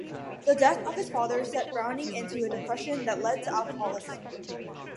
The death of his father sent Browning into a depression that led to alcoholism.